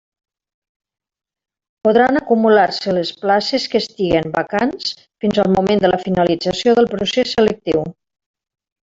Podran acumular-se les places que estiguen vacants fins al moment de la finalització del procés selectiu.